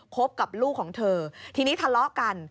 กับลูกของเธอทีนี้ทะเลาะกัน